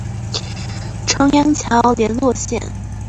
重陽橋聯絡線